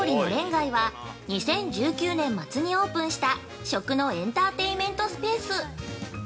街は２０１９年末にオープンした食のエンターテイメントスペース。